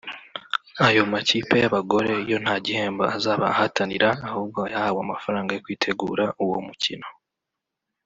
Ayo makipe y’abagore yo nta gihembo azaba ahatanira ahubwo yahawe amafaranga yo kwitegura uwo mukino